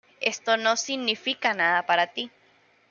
Esto no significa nada para ti".